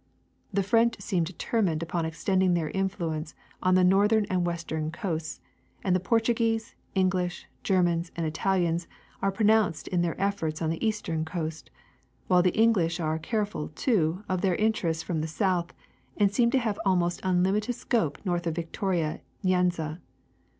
The French seem determined upon extending their influence on the north ern and western coasts, and the Portuguese, English, Germans, and Italians are pronounced in their efforts on the eastern coast, while the English are careful, too, of their interests from the south, and seem to have almost unlimited scope north of Victoria Nyanza.